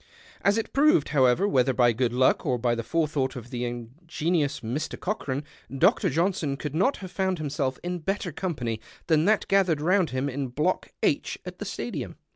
As it proved, however, whctiier by good luck or by the forethought of the ingenious Mr. Cochran, Dr. JohiiS(^n could not have found himself in better company than that gathered round hinj in Block H at the Stadium.